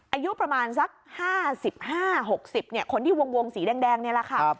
อายุประมาณสัก๕๕๖๐คนที่วงสีแดงนี่แหละค่ะ